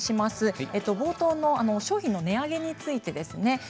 冒頭の商品の値上げについてです。